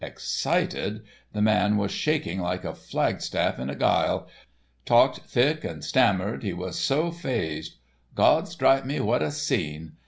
Excited! The man was shaking like a flagstaff in a gyle, talked thick and stammered, he was so phased. Gawd strike me, what a scene!